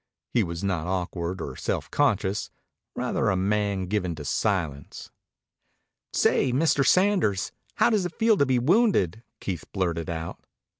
He was not awkward or self conscious; rather a man given to silence. "Say, Mr. Sanders, how does it feel to be wounded?" Keith blurted out.